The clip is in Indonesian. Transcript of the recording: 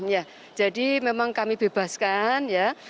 ya jadi memang kami bebaskan ya